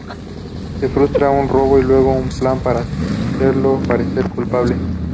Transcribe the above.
Se frustra un robo y luego un plan para hacerlo parecer culpable.